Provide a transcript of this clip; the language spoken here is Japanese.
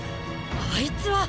あいつはっ！